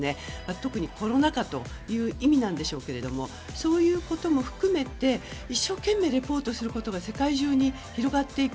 特にコロナ禍という意味なんでしょうけれどもそういうことも含めて一生懸命リポートすることが世界中に広がっていく。